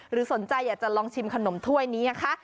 สนใจอยากจะลองชิมขนมถ้วยนี้นะคะ